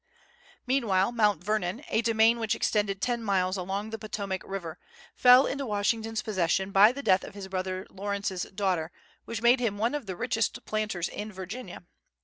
Meanwhile, Mount Vernon, a domain which extended ten miles along the Potomac River, fell into Washington's possession by the death of his brother Lawrence's daughter, which made him one of the richest planters in Virginia.